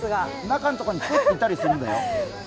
中のところにいたりするんだよ。